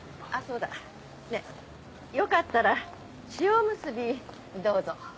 あそうだねえよかったら塩むすびどうぞ。